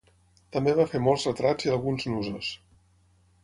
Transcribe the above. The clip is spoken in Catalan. També va fer molts retrats i alguns nusos.